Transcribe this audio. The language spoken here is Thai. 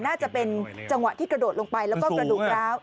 น่าจะเป็นจังหวะที่กระโดดลงไปแล้วก็กระดูกร้าว